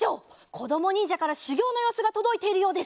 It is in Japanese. こどもにんじゃからしゅぎょうのようすがとどいているようです。